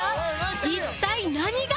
一体何が？